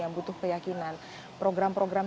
yang butuh keyakinan program program